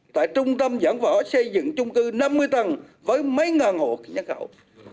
trung tâm giảng võ xây dựng trung cư năm mươi tầng với mấy ngàn hộ nhân khẩu